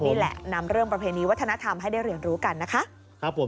นี่แหละนำเรื่องประเพณีวัฒนธรรมให้ได้เรียนรู้กันนะคะ